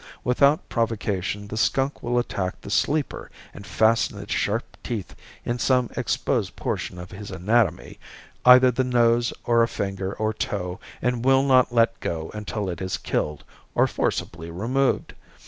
Without provocation the skunk will attack the sleeper and fasten its sharp teeth in some exposed portion of his anatomy, either the nose or a finger or toe and will not let go until it is killed or forcibly removed.